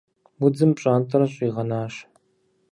Удзым пщӀантӀэр щӀигъэнащ.